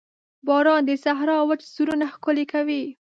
باران د صحرا وچ زړونه ښکلي کوي.